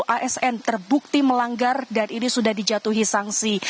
empat puluh asm terbukti melanggar dan ini sudah dijatuhi sanksi